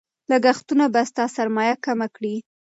لګښتونه به ستا سرمایه کمه کړي.